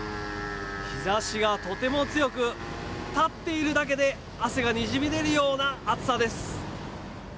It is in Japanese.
日ざしがとても強く、立っているだけで汗がにじみ出るような暑さです。